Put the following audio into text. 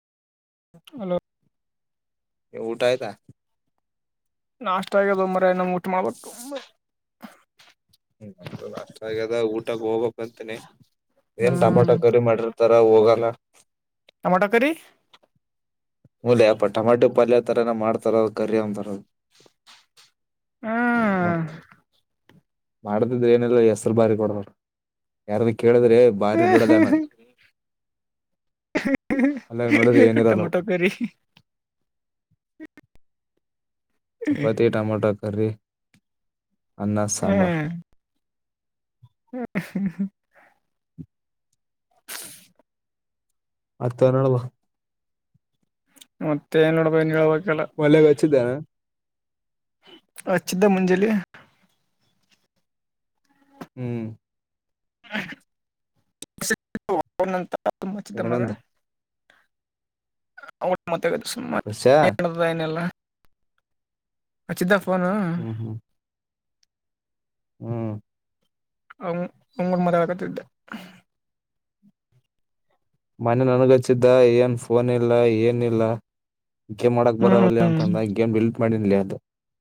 Hello ಉಟಾ ಆಯತಾ ನಾಷ್ಟ ಆಗ್ಯದೊ ಮಾರಾಯ ನಮ್ ಉಟ್ ಮಾಡ್ಬೇಕ್ ತುಂಬ. ಹ್ಮ ನಮ್ದು ನಾಷ್ಟ ಆಗ್ಯದ ಊಟಾಗ್ ಹೋಗ್ಬೇಕ್ ಅಂತನೆ ಏನ್ ಹ್ಮ್ ಟಮಾಟೊ ಕರಿ ಮಾಡಿರ್ತ ತರ ಹೋಗಲ್ಲ ಟಮಾಟೊ ಕರಿ ಮೂಲೆ ಅಪ್ಪ ಟೊಮ್ಯಾಟೊ ಪಾಲ್ಯ ತರನ ಮಾಡ್ತಾರ ಕರ್ರ ಅಂತಾರದು ಮತ್ ಹ್ಮ್ ಮಾಡದಿದ್ರ ಏನಿಲ್ಲ ಹೆಸ್ರು ಬರಿ ಕುಡ್ದು ಯಾರ್ದಕಿ. ಕೇಳಿದ್ರೆ ಭಾರಿ ಬಿಡಲಾನ ಅಲೆವ್ ನೋಡಿದ್ರೆ ಏನಿರಲ್ಲವ್. Tomato curry chapati tomato curry ಅನ್ನ ಸಾಂಬಾರ್ ಹ [inaudible] ಅತ್ ಹನ್ನೆರ್ಡವ. ಮತ್ತೆ ಏನ್ ನೋಡ್ ಬ ಇನೆಳ್ವ ಮಲ್ಯಗಾ ಹಚ್ಚಿದ್ಯಾ? [unintelligible] ಹಚ್ಚಿದ್ಯಾ ಮುಂಜಲಿ. [unintelligible] ಹೂ [unintelligible] [inaudible] ತಚ್ಚಿದ್ದ ಮಗ ಏನಂದ [unintelligible] ಅವ ಅಟ್ಟ ಮಾತಾಡಿದ ಸುಮ್ಮ ಪ್ರಶ್ಯಾ ಏನ್ ನಡೆದಿದೆ ಏನೆಲ್ಲ [unintelligible] ಹಚ್ಚಿದಾ ಫೋನು? [unintelligible] ಹೂ [unintelligible] ಅವ ಅವನ ಕೂಡ ಮಾತಾಡತ್ತಿದೆ. [unintelligible] ಮನೆ ನನಗ ಹಚ್ಚಿದ್ದ ಏನ್ ಫೋನ್ ಇಲ್ಲ ಏನಿಲ್ಲ? [unintelligible] ಗೇಮ್ ಮಾಡಕ್ ಬರವಲ್ಲ ಹ್ಮ್ ಅಂತಂದ ಗೇಮ್ ಡಿಲೀಟ್ ಮಾಡಿನ್ಲಿ ಅದು. [unintelligible]